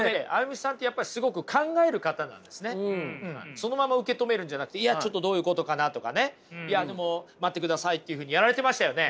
そのまま受け止めるんじゃなくていやちょっとどういうことかなとかねいやでも待ってくださいっていうふうにやられてましたよね。